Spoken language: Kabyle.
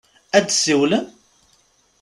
Ad d-tsiwlem?